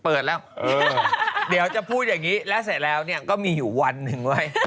เปิดแล้วเดี๋ยวจะพูดอย่างนี้และเสร็จแล้วเนี่ยก็มีอยู่วันหนึ่งเว้ย